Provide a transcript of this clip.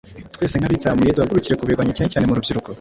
Twese nk’abitsamuye duhagurukire kubirwanya cyanecyane mu rubyiruko